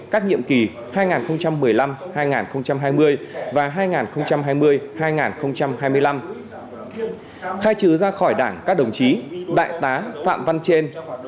các nhiệm kỳ hai nghìn một mươi năm hai nghìn hai mươi và hai nghìn hai mươi hai nghìn hai mươi năm khai trừ ra khỏi đảng các đồng chí đại tá phạm văn trên